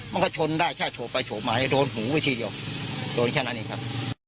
มันก็ชนได้แค่โฉบไปโฉบมาโดนหูวิธีเดียวโดนแค่นั้นเองครับ